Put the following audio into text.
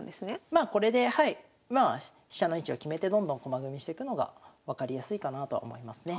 まあこれではい飛車の位置を決めてどんどん駒組みしてくのが分かりやすいかなとは思いますね。